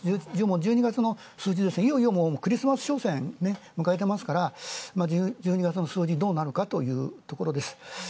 １２月の数字もいよいよクリスマス商戦迎えてますから１２月の数字どうなるかというところです。